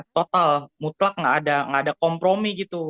total mutlak gak ada kompromi gitu